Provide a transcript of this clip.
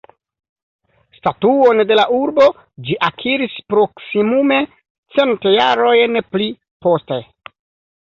Statuon de la urbo ĝi akiris proksimume cent jarojn pli poste.